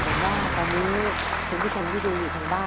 ผมว่าตอนนี้คุณผู้ชมที่ดูอยู่ทางบ้าน